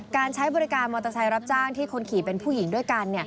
การใช้บริการมอเตอร์ไซค์รับจ้างที่คนขี่เป็นผู้หญิงด้วยกัน